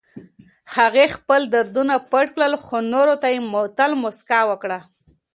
هغې خپل دردونه پټ کړل، خو نورو ته يې تل مسکا ورکړه.